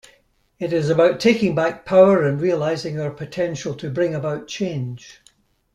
It is about taking back power and realising our potential to bring about change.